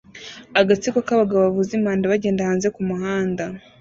Agatsiko k'abagabo bavuza impanda bagenda hanze kumuhanda